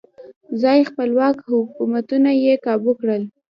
ځايي خپلواک حکومتونه یې کابو کړل.